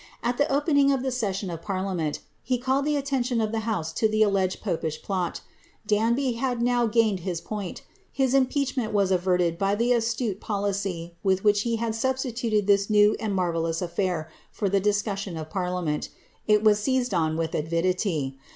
At the opening of the session of parliament, he called the attention of the honse to tiic alleged popish plot Dinbr had now ^inetl his point; his im{)rachment was averted by the astnte policy with which he liad substituted tfiis new and man'ellous a&ir foi the discussion of parliament. It was seized on with avidity.